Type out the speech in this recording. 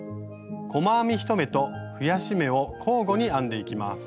細編み１目と増やし目を交互に編んでいきます。